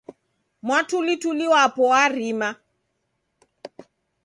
Mwatulituli wapu warima..